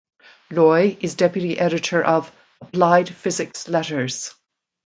Loi is Deputy Editor of "Applied Physics Letters".